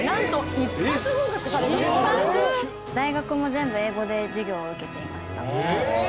大学も全部英語で授業を受けていました。